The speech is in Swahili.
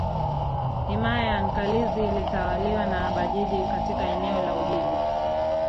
Himaya ya Nkalizi ilitawaliwa na abajiji katika eneo la ujiji